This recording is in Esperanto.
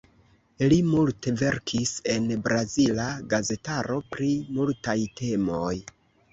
Li multe verkis en brazila gazetaro pri multaj temoj.